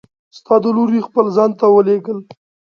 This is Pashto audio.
ستا د لورې خپل ځان ته ولیږل!